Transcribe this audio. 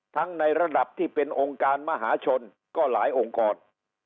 ในระดับที่เป็นองค์การมหาชนก็หลายองค์กร